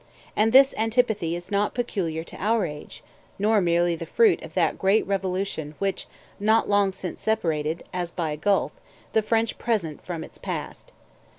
And this antipathy is not peculiar to our age, nor merely the fruit of that great revolution which not long since separated, as by a gulf, the French present from its past.